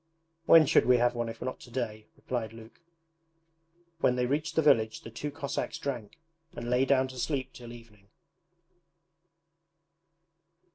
'When should we have one if not to day?' replied Luke. When they reached the village the two Cossacks drank, and lay down to sleep till evening.